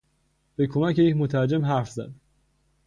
به کمک یک مترجم حرف زد.